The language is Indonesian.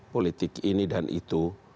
politik ini dan itu